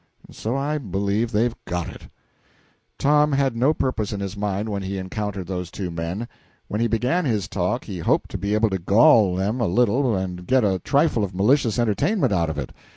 And so I believe they've got it yet." Tom had no purpose in his mind when he encountered those two men. When he began his talk he hoped to be able to gall them a little and get a trifle of malicious entertainment out of it.